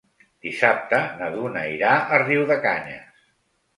Dissabte na Duna irà a Riudecanyes.